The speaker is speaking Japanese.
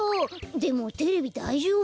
でもテレビだいじょうぶ？